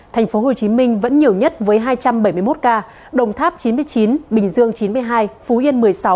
thành phố hồ chí minh vẫn nhiều nhất với hai trăm bảy mươi một ca đồng tháp chín mươi chín bình dương chín mươi hai phú yên một mươi sáu